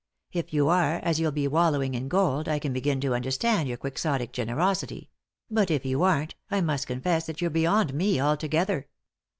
If you are, as you'll be wallowing in gold, I can begin to understand your quixotic generosity ; but if you aren't, I must confess that you're beyond me altogether."